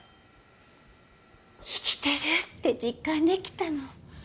生きてるって実感できたの。